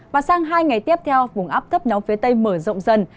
và sang hai ngày tiếp theo vùng áp thấp nóng phía tây mở rộng dần